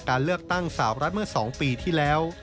การเลือกตั้งสาวรัฐเมื่อ๒ปีที่แล้ว